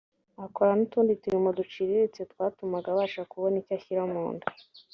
akora n’utundi turimo duciriritse twatumaga abasha kubona icyo ashyira mu nda